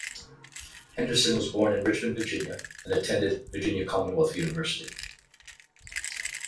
Henderson was born in Richmond, Virginia and attended Virginia Commonwealth University.